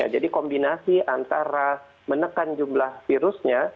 jadi kombinasi antara menekan jumlah virusnya